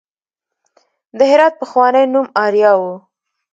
د هرات پخوانی نوم اریا و